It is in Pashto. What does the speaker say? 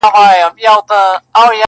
جادو ګر کړلې نارې ویل یې خدایه.!